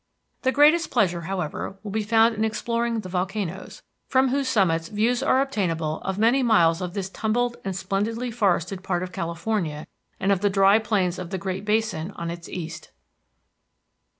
The greatest pleasure, however, will be found in exploring the volcanoes, from whose summits views are obtainable of many miles of this tumbled and splendidly forested part of California and of the dry plains of the Great Basin on its east.